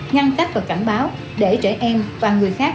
ngăn tách và cảnh báo để trẻ em và người khác